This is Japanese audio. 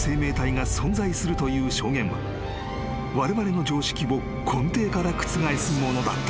［われわれの常識を根底から覆すものだった］